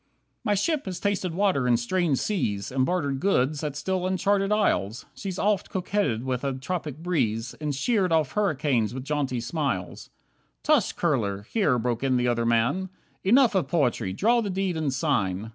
10 My ship has tasted water in strange seas, And bartered goods at still uncharted isles. She's oft coquetted with a tropic breeze, And sheered off hurricanes with jaunty smiles." "Tush, Kurler," here broke in the other man, "Enough of poetry, draw the deed and sign."